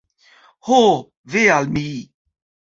Ho ve al mi!